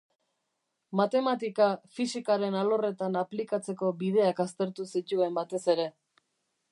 Matematika fisikaren alorretan aplikatzeko bideak aztertu zituen batez ere.